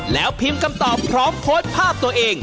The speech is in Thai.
แล้วพิมพ์คำตอบพร้อมโพสต์ภาพตัวเอง